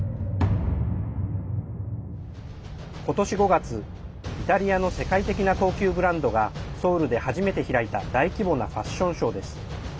今年５月、イタリアの世界的な高級ブランドがソウルで初めて開いた大規模なファッションショーです。